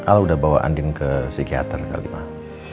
al udah bawa andien ke psikiater kali mah